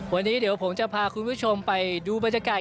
วันนี้เดี๋ยวผมจะพาคุณผู้ชมไปดูบรรยากาศ